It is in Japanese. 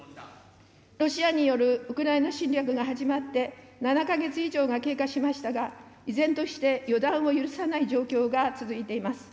ロシアによるウクライナ侵略が始まって７か月以上が経過しましたが、依然として予断を許さない状況が続いています。